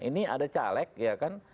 ini ada caleg ya kan